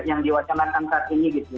yang diwacanakan saat ini gitu